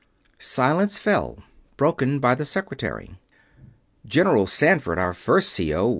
Silence fell, broken by the secretary. "General Sanford, our first C.O.